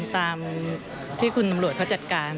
ตามที่คุณตำรวจเขาจัดการ